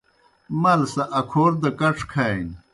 مال سہ اکھور دہ کڇ کھانیْ۔